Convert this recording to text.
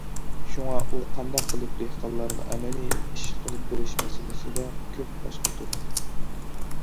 شۇڭا ئۇ قانداق قىلىپ دېھقانلارغا ئەمەلىي ئىش قىلىپ بېرىش مەسىلىسىدە كۆپ باش قاتۇردى.